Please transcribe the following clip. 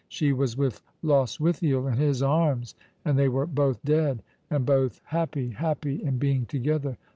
She was with Lostwithiel — in his arms — and they were both dead and both happy — happy in being together.